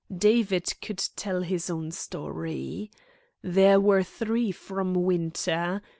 David could tell his own story. There were three from Winter.